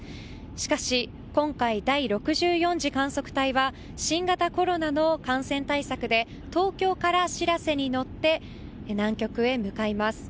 しかし、今回第６４次観測隊は新型コロナへの感染対策で東京から「しらせ」に乗って南極へ向かいます。